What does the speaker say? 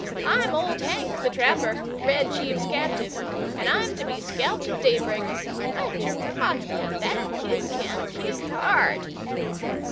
I'm Old Hank, the Trapper, Red Chief's captive, and I'm to be scalped at daybreak. By Geronimo! that kid can kick hard."